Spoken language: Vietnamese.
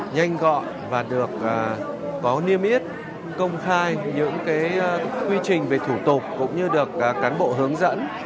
nhanh gọn và được có niêm yết công khai những quy trình về thủ tục cũng như được cán bộ hướng dẫn